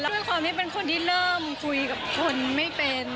ด้วยความที่เป็นคนที่เริ่มคุยกับคนไม่เป็น